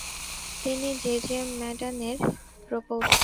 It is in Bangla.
তিনি জ়ে জ়ে ম্যাডানের প্রপৌত্র।